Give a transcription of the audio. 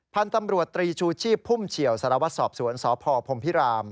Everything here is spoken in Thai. พันธุ์ตำรวจตรีชูชีพพุ่มเฉียวสารวัตรสอบสวนสพพรมพิราม